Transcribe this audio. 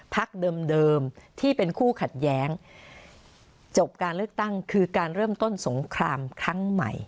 พักเดิมที่เป็นคู่ขัดแย้งจบการเลือกตั้งคือการเริ่มต้นสงครามครั้งใหม่